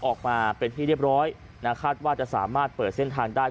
ออกมาเป็นที่เรียบร้อยนะคาดว่าจะสามารถเปิดเส้นทางได้